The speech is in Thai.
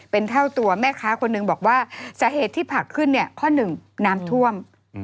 เป็นเท่าตัวแม่ค้าคนหนึ่งบอกว่าสาเหตุที่ผักขึ้นเนี่ยข้อหนึ่งน้ำท่วม